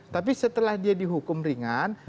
tapi setelah dia dihukum ringan